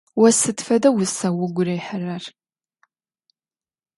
О сыд фэдэ уса угу рихьырэр?